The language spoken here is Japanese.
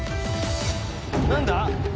何だ？